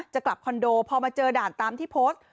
จะกลับคอนโดพอมาเจอด่านตามที่โพสต์